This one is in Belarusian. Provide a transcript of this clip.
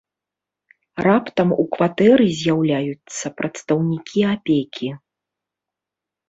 Раптам у кватэры з'яўляюцца прадстаўнікі апекі.